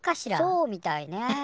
そうみたいね。